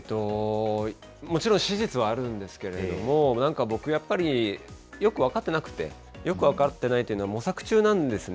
もちろん、史実はあるんですけれども、なんか僕やっぱり、よく分かってなくて、よく分かってないというのは、模索中なんですね。